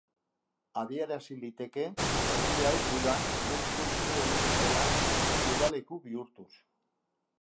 Adierazi liteke, herri hau udan hirukoiztu egiten dela, udaleku bihurtuz.